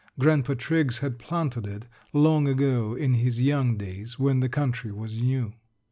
Grandpa Triggs had planted it long ago in his young days when the country was new.